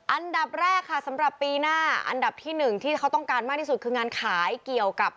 อันดับแรกค่ะสำหรับปีหน้าอันดับที่หนึ่งที่เขาต้องการมากที่สุดคืองานขายเกี่ยวกับ